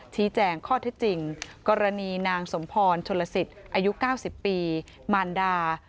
แจ้งข้อที่จริงกรณีนางสมพรชนลสิทธิ์อายุ๙๐ปีมารดา